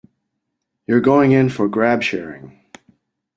You're going in for grab sharing.